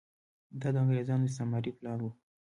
دا د انګریزانو استعماري پلان و.